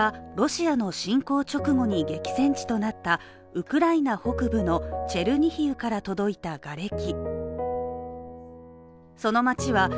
これはロシアの侵攻直後に激戦地となったウクライナ北部のチェルニヒウから届いたがれき。